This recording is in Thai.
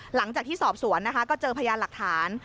หลังจากที่สอบสวนนะคะก็เจอพยานหลักฐาน